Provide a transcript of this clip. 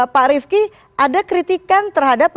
pak rifki ada kritikan terhadap